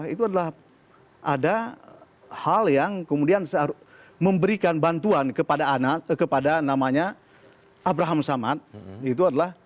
itu adalah ada hal yang kemudian memberikan bantuan kepada namanya abraham samad